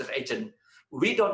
kita tidak bergabung